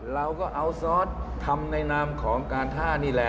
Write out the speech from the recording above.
เราก็เอาซอสทำในนามของการท่านี่แหละ